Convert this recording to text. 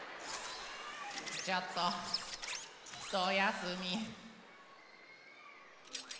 ちょっとひとやすみ。